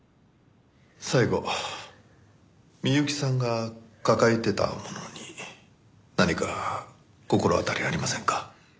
最後美由紀さんが抱えてたものに何か心当たりありませんか？